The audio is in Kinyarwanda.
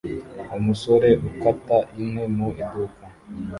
Umusore ukata inkwi mu iduka